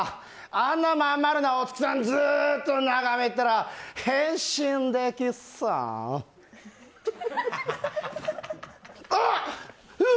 あんな真ん丸なお月さん、ずっと眺めたら変身できそう。